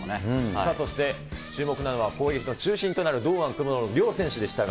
さあそして、注目なのは攻撃の中心となる堂安、久保の両選手でしたが。